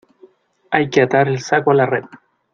hay que atar el saco a la red.